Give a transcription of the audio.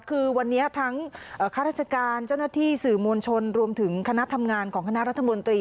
คือวันนี้ทั้งข้าราชการเจ้าหน้าที่สื่อมวลชนรวมถึงคณะทำงานของคณะรัฐมนตรี